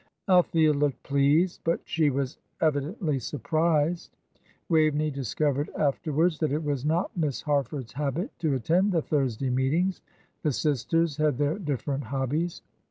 Althea looked pleased, but she was evidently surprised. Waveney discovered afterwards that it was not Miss Harford's habit to attend the Thursday meetings. The sisters had their different hobbies.